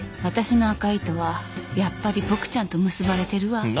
私の赤い糸はやっぱりボクちゃんと結ばれてるわ。